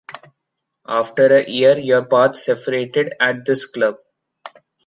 After a year, your paths separated at this club.